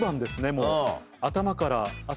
もう。